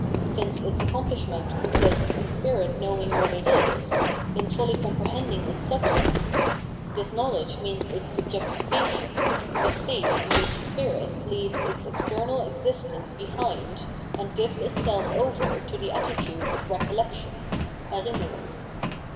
Since its accomplishment consists in Spirit knowing what it is, in fully comprehending its substance, this knowledge means its subjectification, a state in which Spirit leaves its external existence behind and gives itself over to the attitude of Eecollection {Erinnerung).